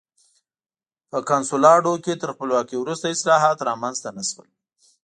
په کنسولاډو کې تر خپلواکۍ وروسته اصلاحات رامنځته نه شول.